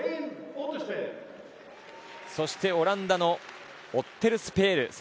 そして、オランダのオッテルスペール。